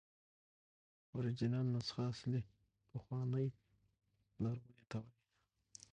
اوریجنل نسخه اصلي، پخوانۍ، لرغوني ته وایي.